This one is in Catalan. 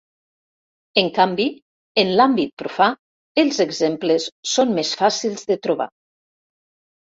En canvi, en l'àmbit profà els exemples són més fàcils de trobar.